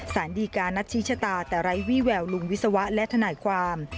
สารดีการนัดชี้ชะตาแต่ไร้วี่แววลุงวิศวะและทนายความ